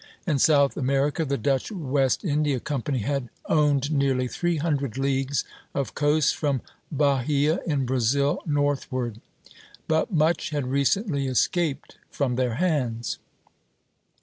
In South America the Dutch West India Company had owned nearly three hundred leagues of coast from Bahia in Brazil northward; but much had recently escaped from their hands.